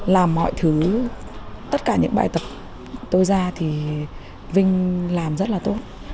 làm mọi thứ tất cả những bài tập tôi ra thì vinh làm rất là tốt